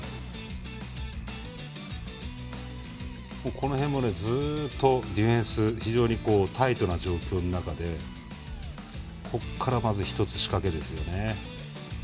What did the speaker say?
この辺も、ずっとディフェンス、非常にタイトな状況の中でここから１つ仕掛けですよね。